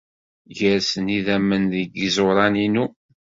Gersen yidammen deg yiẓuran-inu.